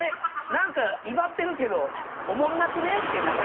何か威張ってるけど面白くなくね？」ってなる。